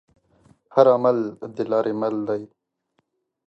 هر عمل دلارې مل دی.